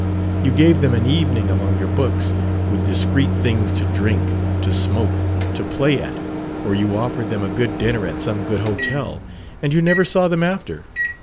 You gave them an evening among your books, with discreet things to drink, to smoke, to play at, or you offered them a good dinner at some good hotel; and you never saw them after